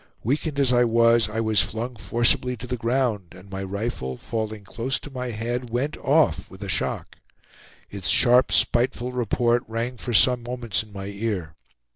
Weakened as I was, I was flung forcibly to the ground, and my rifle, falling close to my head, went off with a shock. Its sharp spiteful report rang for some moments in my ear.